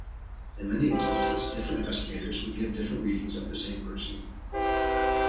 In many instances, different investigators would give different readings of the same person.